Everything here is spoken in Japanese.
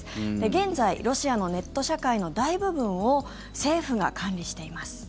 現在、ロシアのネット社会の大部分を政府が管理しています。